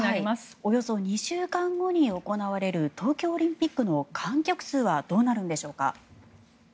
およそ２週間後に行われる東京オリンピックの観客数はどうなるのでしょうか。